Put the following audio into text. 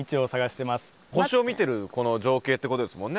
星を見てるこの情景ってことですもんね？